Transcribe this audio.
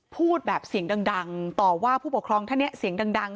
พูดแบบเสียงดังต่อว่าผู้ปกครองท่านเนี่ยเสียงดัง